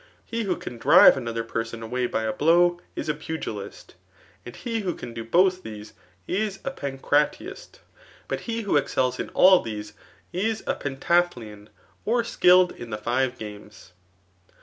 He who can drive another per* son away by a blow, is a pugiKst ; and he who can do bolh these, is a pancradasir. But he who excetd in all these, is a pentalhlian, or skilled. in the five games.